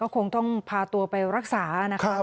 คงต้องพาตัวไปรักษานะครับ